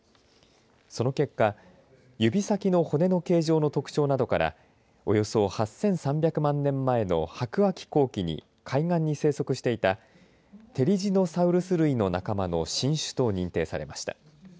その結果、指先の骨の形状の特徴などからおよそ８３００万年前の白亜紀後期に海岸に生息していたテリジノサウルス類の仲間の新種と認定されました。